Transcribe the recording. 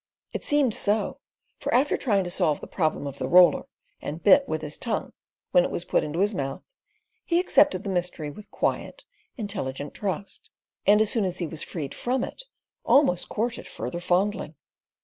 It seemed so, for after trying to solve the problem of the roller and bit with his tongue when it was put into his mouth, he accepted the mystery with quiet, intelligent trust; and as soon as he was freed from it, almost courted further fondling.